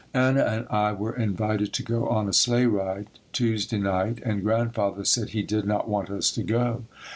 Anna and I were invited to go on a sleigh ride, Tuesday night, and Grandfather said he did not want us to go.